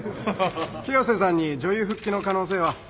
清瀬さんに女優復帰の可能性は？